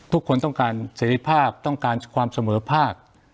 ทุกคนต้องการเสร็จภาพต้องการความเสมอภาค